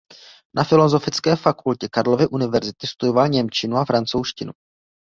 Na filozofické fakultě Karlovy univerzity studoval němčinu a francouzštinu.